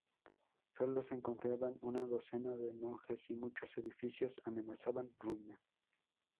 Sólo se encontraban una docena de monjes y muchos edificios amenazaban ruina.